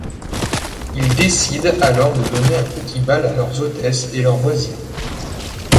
Ils décident alors de donner un petit bal à leurs hôtesses et leurs voisines.